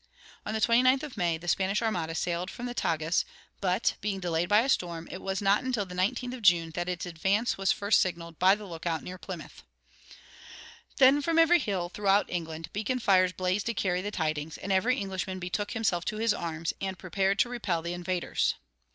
On the 29th of May the Spanish armada sailed from the Tagus but, being delayed by a storm, it was not till the 19th of June that its advance was first signaled by the lookout near Plymouth. Then from every hill throughout England beacon fires blazed to carry the tidings, and every Englishman betook himself to his arms, and prepared to repel the invaders.